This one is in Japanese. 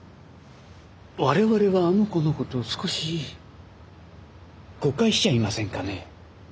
我々はあの子のこと少し誤解しちゃいませんかね？